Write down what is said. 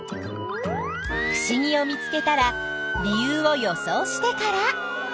ふしぎを見つけたら理由を予想してから。